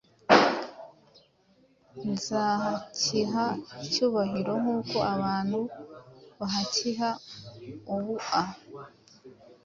Nzahakiha icyubahiro, nkuko abantu bahakiha ubua